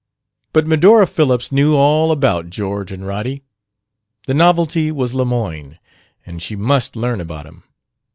But Medora Phillips knew all about George and Roddy. The novelty was Lemoyne, and she must learn about him.